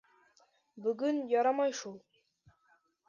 Бөгөн ярамай шул.